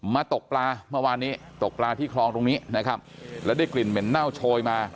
ตกปลาเมื่อวานนี้ตกปลาที่คลองตรงนี้นะครับแล้วได้กลิ่นเหม็นเน่าโชยมา